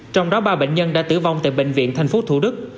trong đó ba bệnh nhân đã tử vong tại bệnh viện thành phố thủ đức